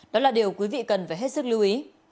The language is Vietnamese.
đó là điều quý vị cần phải hết sức lưu ý